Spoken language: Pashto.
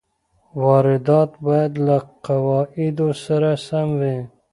واردات باید له قواعدو سره سم وي.